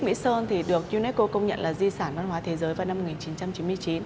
mỹ sơn thì được unesco công nhận là di sản văn hóa thế giới vào năm một nghìn chín trăm chín mươi chín